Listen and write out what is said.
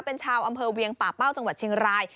เป็นชาวอำเภอเวียงป่าเป้าจังหวัดเชียงราย